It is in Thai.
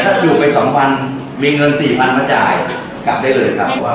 คือผู้ตาหาไม่มีเงินเกิดเหตุการณ์ที่เป็นจำ